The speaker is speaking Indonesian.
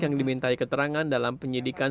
yang dimintai keterangan dalam penyidikan